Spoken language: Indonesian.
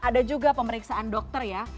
ada juga pemeriksaan dokter ya